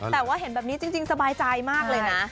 แต่ว่าเห็นแบบนี้จริงสบายใจมากเลยนะ